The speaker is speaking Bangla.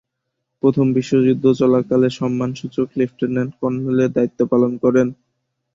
প্রথম বিশ্বযুদ্ধ চলাকালে সম্মানসূচক লেফটেন্যান্ট কর্নেলের দায়িত্ব পালন করেন।